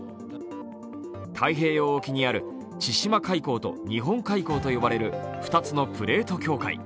太平洋沖にある、千島海溝と日本海溝と呼ばれる２つのプレート境界。